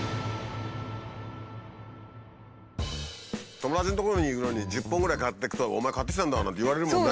友達のとこに行くのに１０本ぐらい買っていくと「お前買ってきたんだ！」なんて言われるもんね。